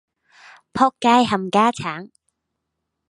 僕街冚家鏟